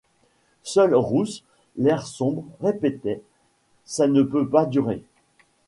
Seul Rousse, l'air sombre, répétait : Ça ne peut pas durer !